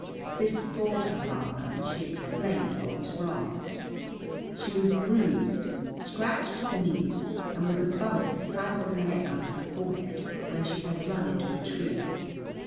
This thawed her rather, and she explained what was wrong. She was bruised, scratched to the knees, and with a bump the size of an egg on her forehead, where she had run into a tree.